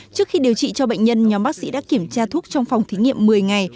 trước khi điều trị cho bệnh nhân nhóm bác sĩ đã kiểm tra thuốc trong phòng thí nghiệm một mươi ngày